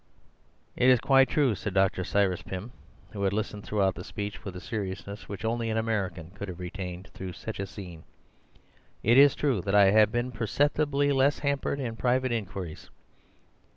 "It is quite true," said Dr. Cyrus Pym, who had listened throughout the speech with a seriousness which only an American could have retained through such a scene. "It is true that I have been per ceptibly less hampered in private inquiries."